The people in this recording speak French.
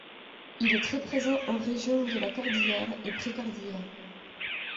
Il est très présent en région de la Cordillère et précordillère.